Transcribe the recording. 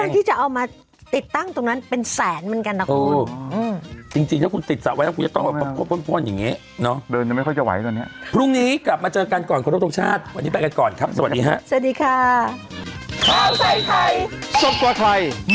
ข้าวไทยไทยสดกว่าไทยใหม่กว่าเดิมเพิ่มเวลา